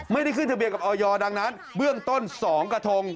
ไม่ได้ขึ้นทะเบียนกับออยดังนั้นเบื้องต้น๒กระทง